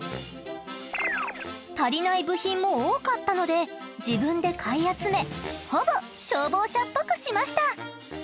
足りない部品も多かったので自分で買い集めほぼ消防車っぽくしました。